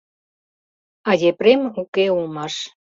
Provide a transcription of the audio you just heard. А Епрем уке улмаш.